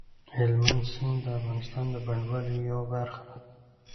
هلمند سیند د افغانستان د بڼوالۍ یوه برخه ده.